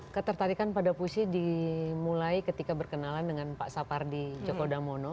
ketertarikan pada pusi dimulai ketika berkenalan dengan pak sapardi joko damono